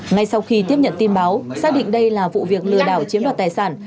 ngay sau khi tiếp nhận tin báo xác định đây là vụ việc lừa đảo chiếm đoạt tài sản